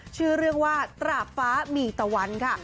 ชื่อเรื่องว่าตราบฟ้ามีตะวันค่ะ